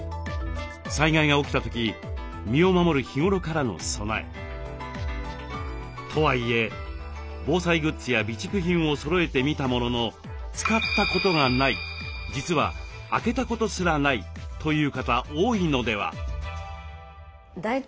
災害が起きた時身を守る日頃からの備え。とはいえ防災グッズや備蓄品をそろえてみたものの使ったことがない実は開けたことすらないという方多いのでは？